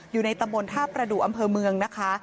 อยู่ในตำบลท่าประดูกอำเภอเมืองนะคะ